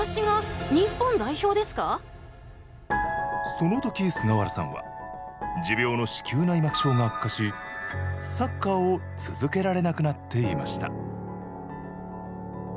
その時、菅原さんは持病の子宮内膜症が悪化しサッカーを続けられなくなっていました。